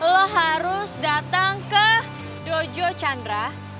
lo harus datang ke dojo chandra